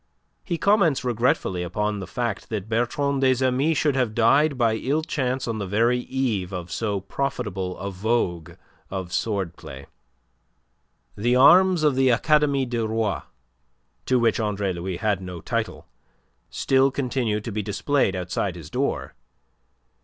He comments regretfully upon the fact that Bertrand des Amis should have died by ill chance on the very eve of so profitable a vogue of sword play. The arms of the Academie du Roi, to which Andre Louis had no title, still continued to be displayed outside his door.